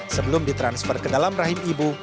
sebelum ditransfer ke dalam rahim ibu